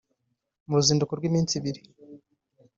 mu ruzinduko rw’iminsi ibiri